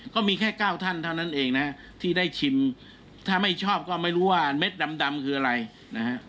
ก็มีแค่๙ท่านเท่านั้นเองนะที่ได้ชิมถ้าไม่ชอบก็ไม่รู้ว่าเม็ดดำคืออะไรนะฮะ